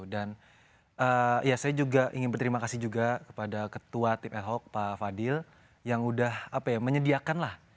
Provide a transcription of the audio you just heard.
dan ya saya juga ingin berterima kasih juga kepada ketua tim ad hoc pak fadil yang udah apa ya menyediakan lah